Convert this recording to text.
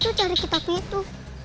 itu tuh cari kitabnya itu